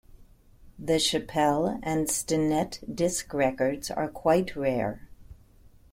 The Chappelle and Stinnette disc records are quite rare.